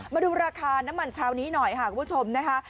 มาดูราคาน้ำมันเช้านี้หน่อยค่ะคุณผู้ชมนะคะ